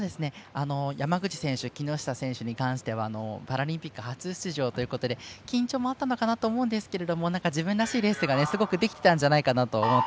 山口選手、木下選手に関してはパラリンピック初出場で緊張もあったのかなと思うんですが自分らしいレースがすごくできていたんじゃないかなと思って。